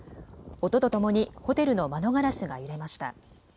音とともにホテルの窓ガラスが揺れました。